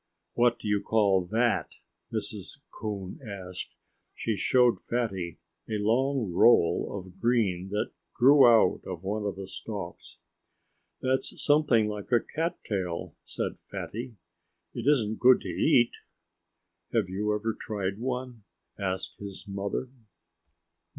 "What do you call that?" Mrs. Coon asked. She showed Fatty a long roll of green that grew out of one of the stalks. "That's something like a cattail," said Fatty. "It isn't good to eat." "Have you ever tried one?" asked his mother.